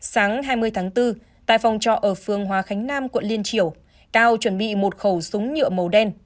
sáng hai mươi tháng bốn tại phòng trọ ở phương hòa khánh nam quận liên triểu cao chuẩn bị một khẩu súng nhựa màu đen